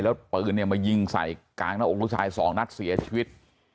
แล้วปืนเนี่ยมายิงใส่กลางหน้าอกลูกชายสองนัดเสียชีวิต